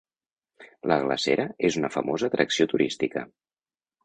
La glacera és una famosa atracció turística.